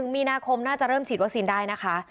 มีนาคมน่าจะเริ่มฉีดวัคซีนได้นะคะ